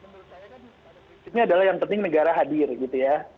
menurut saya kan pada prinsipnya adalah yang penting negara hadir gitu ya